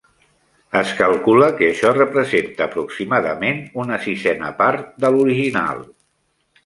Es calcula que això representa aproximadament una sisena part de l'original.